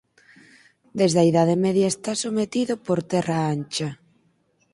Desde a Idade Media está sometido por Terra Ancha.